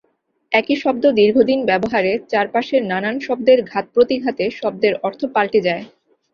একই শব্দ দীর্ঘদিন ব্যবহারে, চারপাশের নানান শব্দের ঘাতপ্রতিঘাতে শব্দের অর্থ পাল্টে যায়।